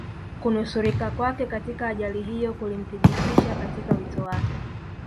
kunusurika kwake katika ajali hiyo kulimthibitisha katika wito wake